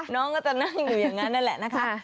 น้องก็จะนั่งอยู่อย่างนั้นนั่นแหละนะคะ